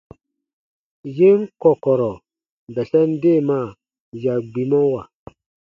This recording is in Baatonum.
Yen kɔ̀kɔ̀rɔ̀ bɛsɛn deemaa ya gbimɔwa.